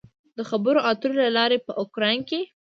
د خبرو اترو له لارې په اوکراین کې